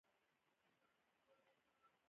قواوي تقویه کړي.